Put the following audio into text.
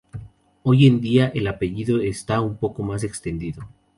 Hoy en día el apellido está un poco más extendido.